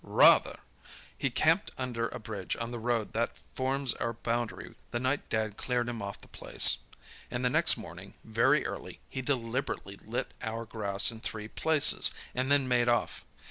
"Rather! He camped under a bridge on the road that forms our boundary the night Dad cleared him off the place, and the next morning, very early, he deliberately lit our grass in three places, and then made off.